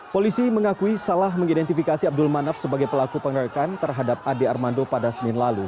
polisi mengakui salah mengidentifikasi abdul manaf sebagai pelaku pengeroyokan terhadap ade armando pada senin lalu